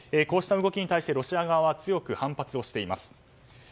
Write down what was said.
こうした動きに対してロシア側は強く反発をしています。